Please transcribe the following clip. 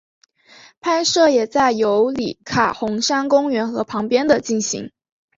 拍摄也在尤里卡红杉公园和旁边的进行。